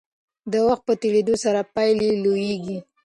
د وخت په تیریدو سره پایلې لویېږي.